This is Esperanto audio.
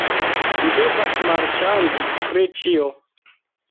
Vi devas marĉandi pri ĉio